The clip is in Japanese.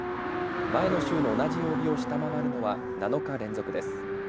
前の週の同じ曜日を下回るのは７日連続です。